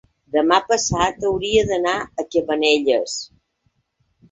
demà passat hauria d'anar a Cabanelles.